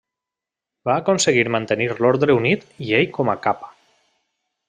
Va aconseguir mantenir l'orde unit i ell com a cap.